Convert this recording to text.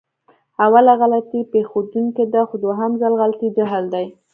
اوله غلطي پېښدونکې ده، خو دوهم ځل غلطي جهل دی.